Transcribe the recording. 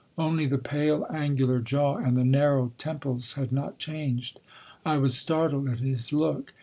Only the pale angular jaw and the narrow temples had not changed. I was startled at his look.